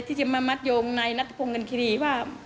ที่จะมามัดโยงในนัตรภงกันคิรีว่า